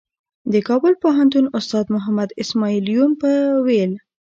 د کابل پوهنتون استاد محمد اسمعیل یون به ویل.